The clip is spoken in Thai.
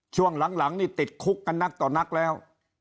ช่วงหลังนี่ติดคุกกันนักต่อนักแล้ว